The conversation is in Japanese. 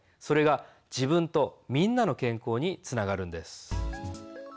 それが自分とみんなの健康につながるんです。